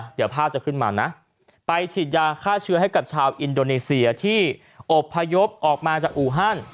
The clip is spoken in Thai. เดี๋ยวภาพจะขึ้นมานะไปฉีดยาฆ่าเชื้อให้กับชาวอินโดนีเซียที่อบพยพออกมาจากอูฮัน